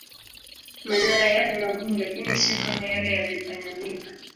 Manyoya yao ni magumu lakini siyo kama yale ya vipanya-miiba.